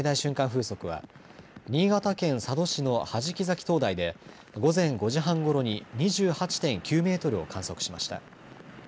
風速は新潟県佐渡市の弾崎灯台で午前５時半ごろに２８．９メートルを観測しました。